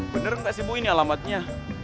bener gak sih bu ini alamatnya